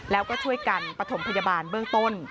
แล้วก็ช่วยกันปฐมพยาบาลเบื้องต้น